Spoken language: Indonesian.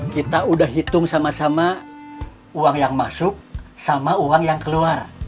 kita udah hitung sama sama uang yang masuk sama uang yang keluar